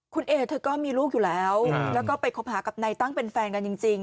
คุณเอเธอก็มีลูกอยู่แล้วแล้วก็ไปคบหากับนายตั้งเป็นแฟนกันจริง